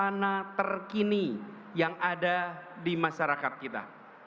untuk mendengar hal hal terkini yang ada di masyarakat kita